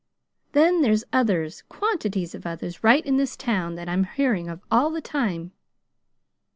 Then there's others, quantities of others, right in this town, that I'm hearing of all the time.